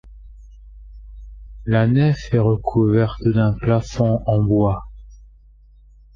La nef est recouverte d'un plafond en bois.